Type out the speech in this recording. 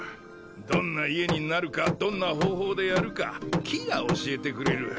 どんな家になるかどんな方法でやるか木が教えてくれる。